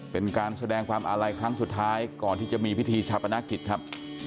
เป็นการแสดงความอาลัยครั้งสุดท้ายก่อนที่จะมีพิธีชาปนกิจครับ